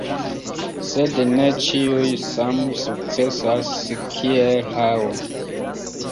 Sed ne ĉiuj same sukcesas kiel Hao.